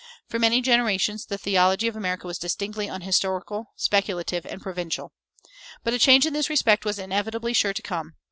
For many generations the theology of America was distinctly unhistorical, speculative, and provincial. But a change in this respect was inevitably sure to come.